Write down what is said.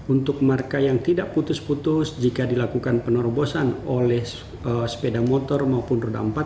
untuk marka yang tidak putus putus jika dilakukan penerobosan oleh sepeda motor maupun roda empat